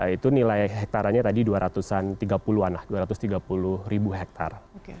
itu nilai hektarannya tadi dua ratus tiga puluh an lah dua ratus tiga puluh ribu hektare